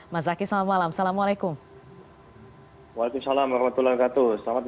mas zaky selamat malam assalamualaikum